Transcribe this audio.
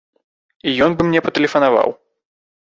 І ён бы мне патэлефанаваў.